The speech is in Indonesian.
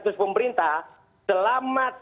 terus pemerintah selamat